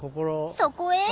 そこへ。